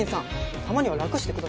たまには楽してください。